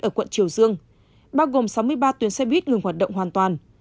ở quận triều dương bao gồm sáu mươi ba tuyến xe buýt ngừng hoạt động hoàn toàn